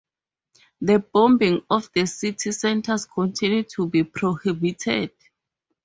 The bombing of the city centers continued to be prohibited.